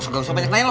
makan makan makan